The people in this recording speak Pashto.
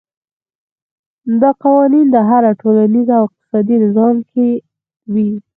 دا قوانین په هر ټولنیز او اقتصادي نظام کې وي.